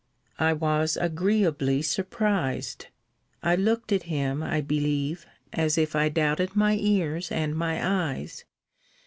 I was agreeably surprised. I looked at him, I believe, as if I doubted my ears and my eyes.